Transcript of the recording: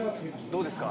どうですか？